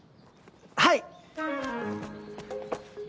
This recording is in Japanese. はい！